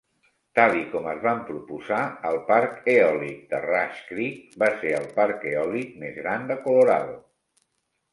Tal i com es van proposar, el parc eòlic de Rush Creek va ser el parc eòlic més gran de Colorado.